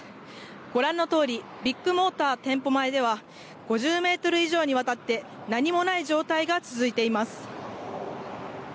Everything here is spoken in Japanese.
ご覧のとおりビッグモーター店舗前では５０メートル以上にわたって何もない状態が続いています。